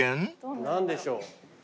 何でしょう？